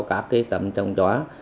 các tấm trồng lóa